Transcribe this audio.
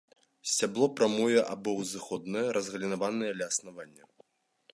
Сцябло прамое або узыходнае, разгалінаванае ля аснавання.